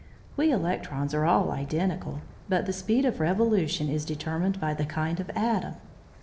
We electrons are all identical, but the speed of revolution is determined by the kind of atom.